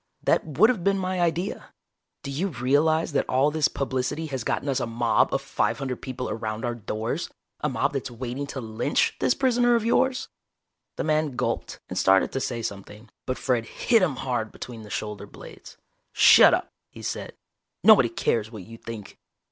"That would have been my idea. Do you realize that all this publicity has gotten us a mob of five hundred people around our doors, a mob that's waiting to lynch this prisoner of yours?" The man gulped and started to say something, but Fred hit him hard between the shoulder blades. "Shut up," he said. "Nobody cares what you think."